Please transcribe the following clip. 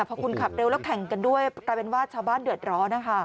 พอคุณขับเร็วแล้วแข่งกันด้วยกลายเป็นว่าชาวบ้านเดือดร้อนนะคะ